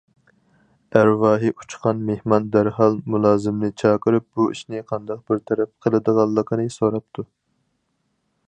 ئەرۋاھى ئۇچقان مېھمان دەرھال مۇلازىمنى چاقىرىپ، بۇ ئىشنى قانداق بىر تەرەپ قىلىدىغانلىقىنى سوراپتۇ.